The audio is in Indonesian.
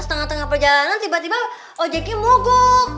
setelah setengah perjalanan tiba tiba ojengnya mogok